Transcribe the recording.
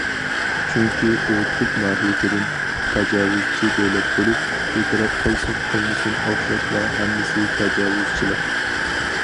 چۈنكى ئۇ تۈپ ماھىيىتىدىن تاجاۋۇزچى دۆلەت بولۇپ، ئېتىراپ قىلسۇن قىلمىسۇن ئوخشاشلا ھەممىسى تاجاۋۇزچىلىق.